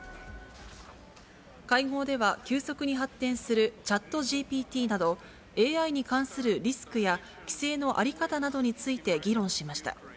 会合では、急速に発展するＣｈａｔＧＰＴなど、ＡＩに関するリスクや、規制の在り方などについて議論しました。